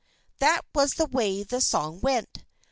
_" That was the way the song went.